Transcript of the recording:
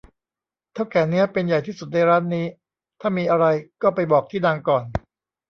เถ้าแก่เนี้ยเป็นใหญ่ที่สุดในร้านนี้ ถ้ามีอะไรก็ไปบอกที่นางก่อน